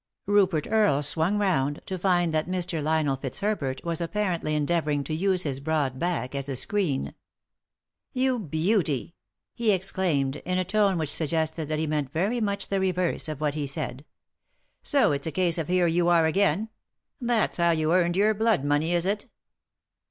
Rupert Earle swung round, to find that Mr. Lionel Fitzherbert was apparently endeavouring to use his broad back as a screen. " You beauty 1 " he exclaimed, in a tone which suggested that he meant very much the reverse of what he said. " So it's a case of here you are again — that's how you earned your blood money, is it